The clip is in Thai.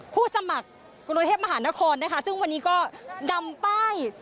ผู้สมัครกรุงเทพมหานครนะคะซึ่งวันนี้ก็นำป้าย